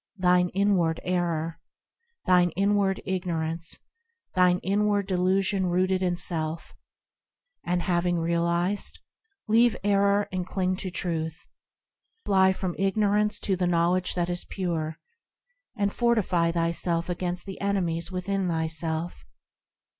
thine inward error, Thine inward ignorance, Thine inward delusion rooted in self ; And, having realised, leave error and cling to Truth; Fly from ignorance to the knowledge that is pure. And fortify thyself against the enemies within thyself.